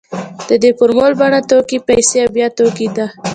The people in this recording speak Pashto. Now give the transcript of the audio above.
د دې فورمول بڼه توکي پیسې او بیا توکي ده